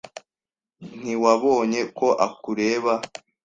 Ntiwabonye ko akureba?